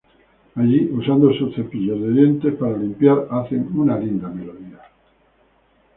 Allí, usando sus cepillos de dientes para limpiar, hacen una linda melodía.